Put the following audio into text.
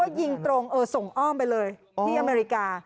ยิงตรงส่งอ้อมไปเลยที่อเมริกา